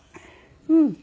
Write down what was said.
うん。